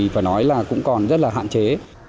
phải nói là cũng còn rất là hạn chế